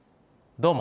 どうも。